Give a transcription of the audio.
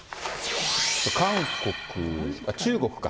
韓国、あっ、中国か。